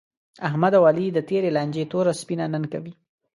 احمد او علي د تېرې لانجې توره سپینه نن کوي.